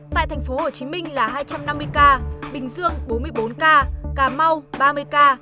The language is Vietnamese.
tại thành phố hồ chí minh là hai trăm năm mươi ca bình dương bốn mươi bốn ca cà mau ba mươi ca